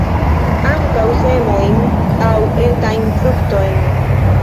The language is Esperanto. Ankaŭ semojn aŭ etajn fruktojn.